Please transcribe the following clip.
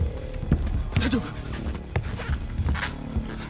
大丈夫！？